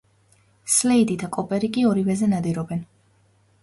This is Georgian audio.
სლეიდი და კოპერი კი ორივეზე ნადირობენ.